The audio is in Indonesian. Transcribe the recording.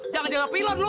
jangan jangan pilon lu